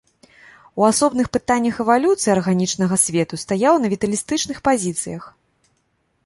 У асобных пытаннях эвалюцыі арганічнага свету стаяў на віталістычных пазіцыях.